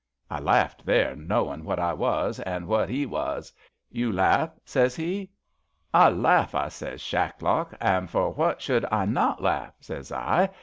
I laughed there, knowin' what X was an' what 'e was. * You laugh? ' sez he. ' I laugh,' I sez, * Shacklock, an' for what should I not laugh? ' sez I.